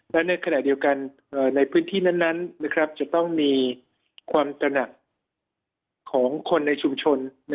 และในขณะเดียวกันในพื้นที่นั้นจะต้องมีความตระหนักของคนในชุมชน